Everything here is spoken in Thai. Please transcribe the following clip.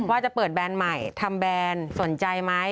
ว่าจะเปิดแบรนด์ใหม่ทำแบรนด์สนใจไหม